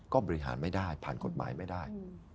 ก็บริหารไม่ได้ผ่านกฎหมายไม่ได้